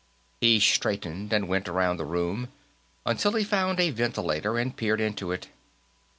He straightened and went around the room, until he found a ventilator, and peered into it.